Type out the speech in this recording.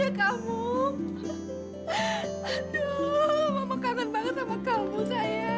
aksan kamu jangan tinggal